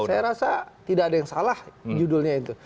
saya rasa tidak ada yang salah judulnya itu